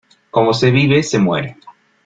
Como se vive, se muere.